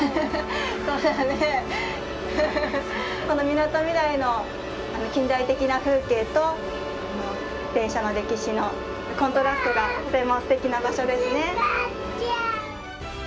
このみなとみらいの近代的な風景と電車の歴史のコントラストがとてもすてきな場所ですね。